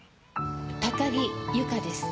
高木由香です。